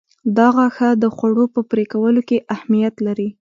دا غاښه د خوړو په پرې کولو کې اهمیت لري.